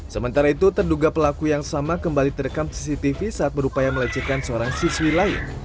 sementara itu terduga pelaku yang sama kembali terekam cctv saat berupaya melecehkan seorang siswi lain